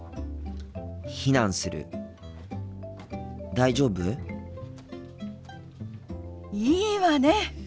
大丈夫？いいわね！